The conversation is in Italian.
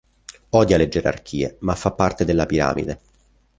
Odia le gerarchie, ma fa parte della piramide.